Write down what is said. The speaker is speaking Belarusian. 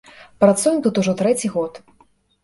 Працуем тут ужо трэці год.